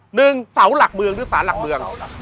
หนึ่งเสาหลักเมืองหรือศาลหลักเมือง